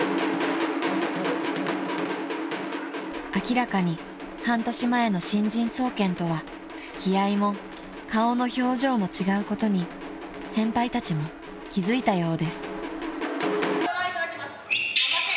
［明らかに半年前の新人総見とは気合も顔の表情も違うことに先輩たちも気付いたようです］頑張って。